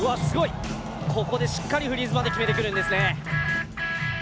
すごいここでしっかりフリーズまで決めてくるんですね